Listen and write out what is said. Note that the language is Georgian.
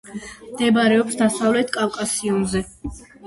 მდებარეობს დასავლეთ კავკასიონზე.